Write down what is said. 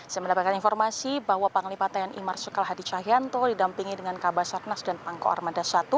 saya mendapatkan informasi bahwa panglima tni marsukal hadi cahyanto didampingi dengan kabasarnas dan pangko armada satu